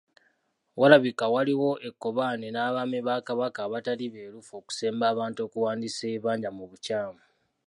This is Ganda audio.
Walabika waaliwo ekkobaane n’Abaami ba Kabaka abataali beerufu okusemba abantu okuwandiisa ebibanja mu bukyamu.